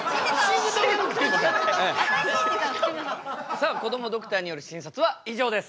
さあこどもドクターによる診察は以上です。